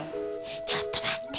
ちょっと待って。